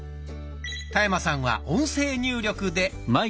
田山さんは音声入力で。